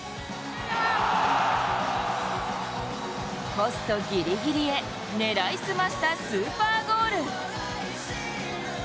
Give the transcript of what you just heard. ポストギリギリへ狙い澄ましたスーパーゴール。